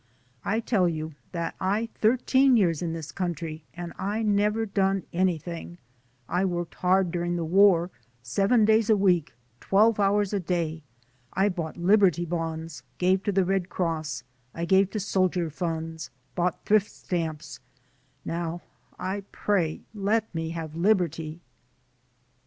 ... I tell you that I thirteen years in this country, and I never done anything; I worked hard dur ing the war, seven days a week, twelve hours a day; I bought Liberty Bonds, gave to the Red Cross ; I gave to soldier funds, bought Thrift Stamps; now, I pray, let me have liberty."